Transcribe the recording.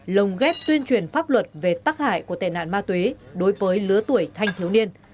lồng ghép tuyên truyền pháp luật về tắc hại của tệ nạn ma túy đối với lứa tuổi thanh thiếu niên